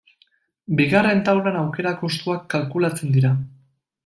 Bigarren taulan, aukera-kostuak kalkulatzen dira.